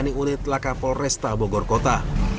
di unit laka polresta bogor kota